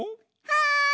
はい！